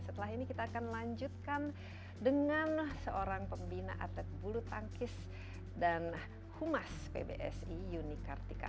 setelah ini kita akan lanjutkan dengan seorang pembina atlet bulu tangkis dan humas pbsi yuni kartika